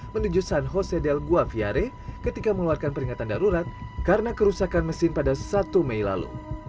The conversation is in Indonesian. menuju san hosedel guaviare ketika mengeluarkan peringatan darurat karena kerusakan mesin pada satu mei lalu